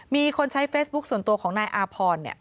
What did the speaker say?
มีคนใช้เฟซบุ๊คส่วนตัวของนายอาพร